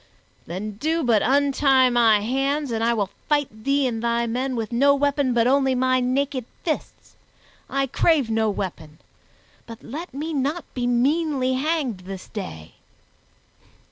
"Then do but untie my hands and I will fight thee and thy men with no weapon but only my naked fists. I crave no weapon, but let me not be meanly hanged this day."